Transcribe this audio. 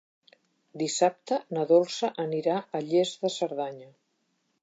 Dissabte na Dolça anirà a Lles de Cerdanya.